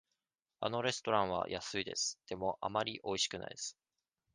あのレストランは安いです。でも、あまりおいしくないです。